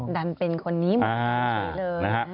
ดันเป็นคนนี้หมดเลย